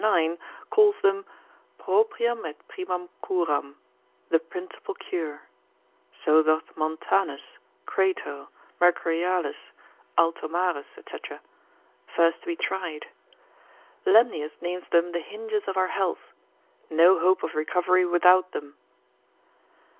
9. calls them, propriam et primam curam, the principal cure: so doth Montanus, Crato, Mercurialis, Altomarus, &c., first to be tried, Lemnius, instit. cap. 22, names them the hinges of our health, no hope of recovery without them.